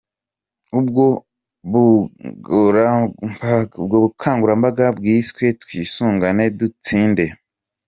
Ubwo bukangurambaga bwiswe “Twisungane Dutsinde ”.